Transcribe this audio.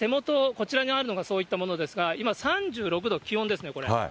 こちらにあるのがそういったものですが、今、３６度、気温ですね、これ。